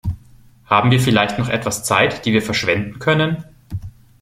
Haben wir vielleicht noch etwas Zeit, die wir verschwenden können?